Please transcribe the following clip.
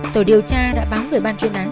tờ điều tra đã báo về ban chuyên án